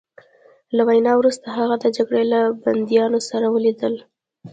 له وینا وروسته هغه د جګړې له بندیانو سره ولیدل